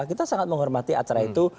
kita sangat menghormati acara itu